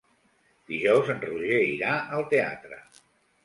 Dijous en Roger irà al teatre.